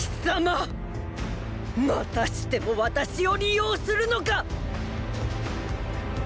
またしても私を利用するのかっ！！